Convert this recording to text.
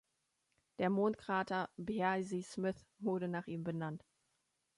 Der Mondkrater Piazzi Smyth wurde nach ihm benannt.